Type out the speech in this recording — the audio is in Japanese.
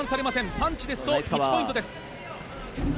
パンチですと１ポイントです。